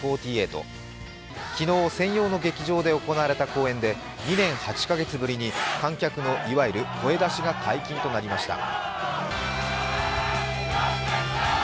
昨日、専用の劇場で行われた公演で２年８か月ぶりに観客のいわゆる声出しが解禁となりました。